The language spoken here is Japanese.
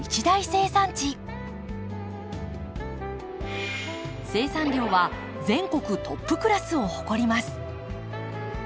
生産量は全国トップクラスを誇ります。